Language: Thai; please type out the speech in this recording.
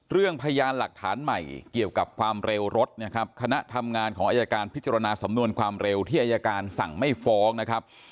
พยานหลักฐานใหม่เกี่ยวกับความเร็วรถนะครับคณะทำงานของอายการพิจารณาสำนวนความเร็วที่อายการสั่งไม่ฟ้องนะครับ